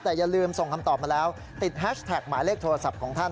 แต่อย่าลืมส่งคำตอบมาแล้วติดแฮชแท็กหมายเลขโทรศัพท์ของท่าน